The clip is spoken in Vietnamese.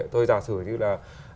tôi giả sử như là